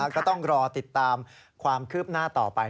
ก็ต้องรอติดตามความคืบหน้าต่อไป